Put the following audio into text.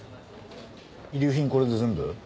遺留品これで全部？